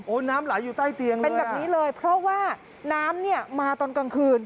น้ำไหลอยู่ใต้เตียงนะเป็นแบบนี้เลยเพราะว่าน้ำเนี่ยมาตอนกลางคืน